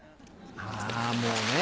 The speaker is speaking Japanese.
あぁもうね。